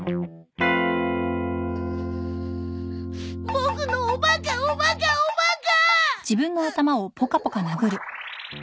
ボクのおバカおバカおバカ！